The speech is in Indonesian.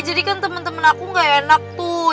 jadi kan temen temen aku gak enak tuh